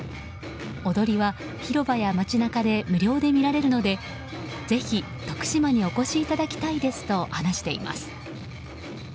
踊りは広場や街中で無料で見られるのでぜひ徳島にお越しいただきたいですと話しています。